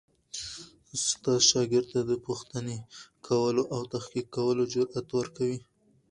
استاد شاګرد ته د پوښتنې کولو او تحقیق کولو جرئت ورکوي.